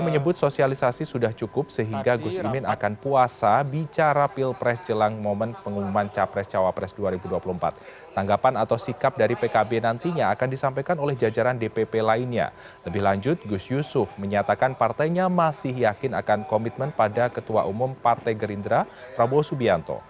ketua umum pkb muhaymin iskandar membuat komitmen pada ketua umum partai gerindra prabowo subianto